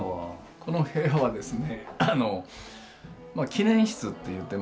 この部屋はですね